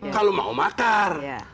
kalau mau makar